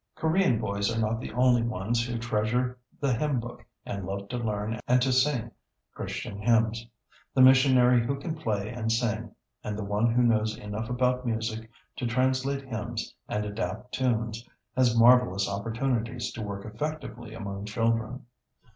] Korean boys are not the only ones who treasure the hymnbook and love to learn and to sing Christian hymns. The missionary who can play and sing, and the one who knows enough about music to translate hymns and adapt tunes, has marvelous opportunities to work effectively among children.